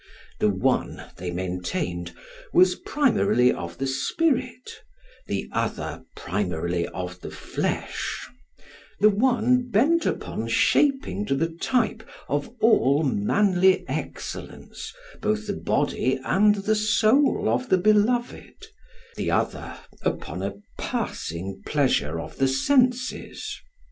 The one, they maintained, was primarily of the spirit, the other primarily of the flesh; the one bent upon shaping to the type of all manly excellence both the body and the soul of the beloved, the other upon a passing pleasure of the senses.